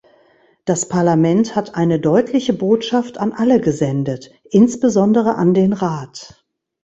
Das Parlament hat eine deutliche Botschaft an alle gesendet, insbesondere an den Rat.